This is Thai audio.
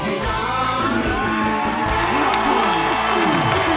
อัศวิน